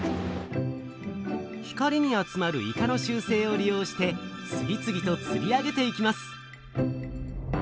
光に集まるイカの習せいを利用して次々とつり上げていきます。